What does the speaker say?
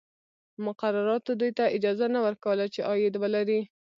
مقرراتو دوی ته اجازه نه ورکوله چې عاید ولري.